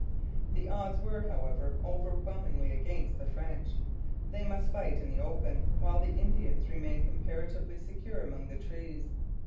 The odds were, however, overwhelmingly against the French. They must fight in the open, while the Indians remained comparatively secure among the trees.